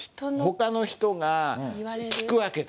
ほかの人が聞く訳です。